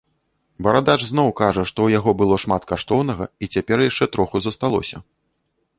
Барадач зноў кажа, што ў яго было шмат каштоўнага і цяпер яшчэ троху засталося.